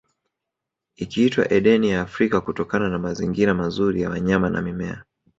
Ikiitwa Edeni ya Afrika kutokana na mazingira mazuri ya wanyama na mimea